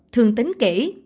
thường tính kể